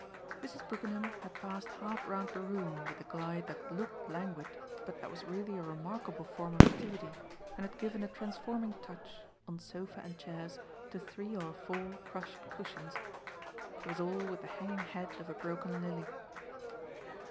Mrs. Brookenham had passed half round the room with the glide that looked languid but that was really a remarkable form of activity, and had given a transforming touch, on sofa and chairs, to three or four crushed cushions. It was all with the hanging head of a broken lily.